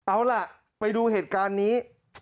เอาล่ะไปดูเหตุการณ์นี้